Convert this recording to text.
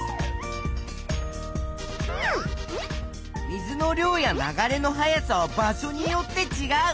水の量や流れの速さは場所によってちがう。